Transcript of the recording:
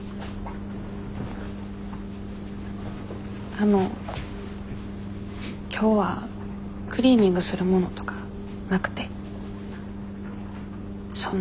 あの今日はクリーニングするものとかなくてその。